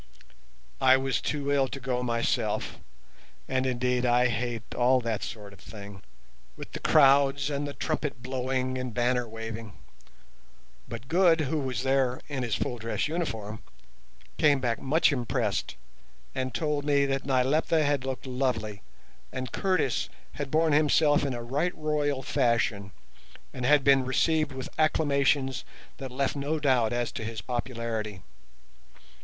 I was too ill to go myself; and indeed, I hate all that sort of thing, with the crowds and the trumpet blowing and banner waving; but Good, who was there (in his full dress uniform), came back much impressed, and told me that Nyleptha had looked lovely, and Curtis had borne himself in a right royal fashion, and had been received with acclamations that left no doubt as to his popularity.